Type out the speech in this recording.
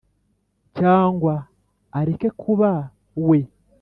cyangwa areke kuba we